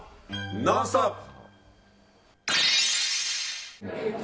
「ノンストップ！」。